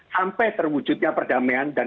sampai terwujudnya perdamaian dan